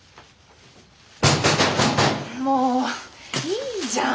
もういいじゃん。